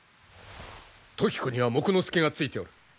時子には木工助がついておる。